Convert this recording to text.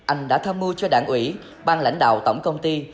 anh đã tham mưu cho đảng ủy bang lãnh đạo tổng công ty